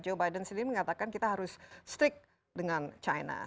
joe biden sendiri mengatakan kita harus strict dengan china